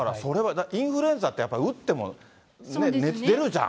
インフルエンザってやっぱり打っても熱出るじゃん。